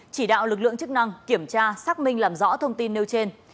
chỉ đạo lực lượng chức năng kiểm tra xác minh làm rõ thông tin nêu trên